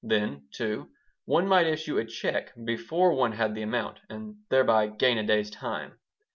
Then, too, one might issue a check before one had the amount and thereby gain a day's time.